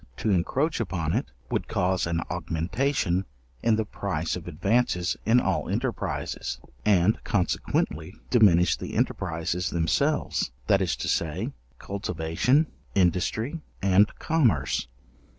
To encroach upon it, would cause an augmentation in the price of advances in all enterprizes, and consequently diminish the enterprizes themselves, that is to say, cultivation, industry, and commerce.